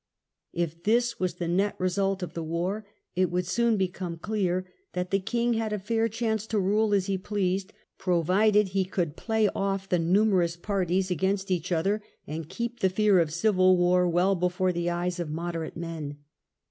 If this was the net result of the war it would soon become clear that the king had a fair chance to rule as he pleased, provided he could play off the numerous parties against each other, and keep the fear of civil war well before the eyes of moderate men.